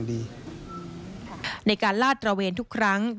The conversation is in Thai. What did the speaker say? ในการลาดตระเวนทุกครั้ง